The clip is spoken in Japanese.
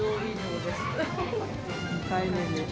２回目です。